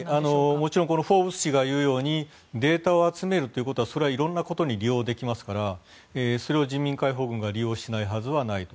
もちろん、この「フォーブス」誌が言うようにデータを集めるということはそれは色んなことに利用できますからそれを人民解放軍が利用しないはずがないと。